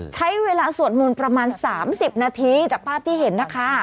ใช้เวลาสวดมนต์ประมาณ๓๐นาทีจากภาพที่เห็นนะคะ